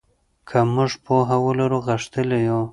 که موږ پوهه ولرو غښتلي یو.